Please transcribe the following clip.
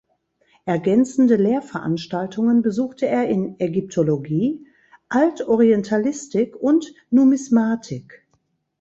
Ergänzende Lehrveranstaltungen besuchte er in Ägyptologie, Altorientalistik und Numismatik.